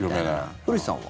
古市さんは？